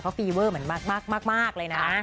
คิดเหนื่อยมากมากเลยนะ